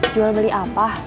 jual beli apa